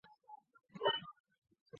她说她认为卡瓦诺打算强奸她。